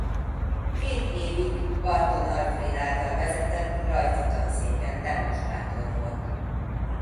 Két évig Bardon Alfréd által vezetett Rajzi Tanszéken demonstrátor volt.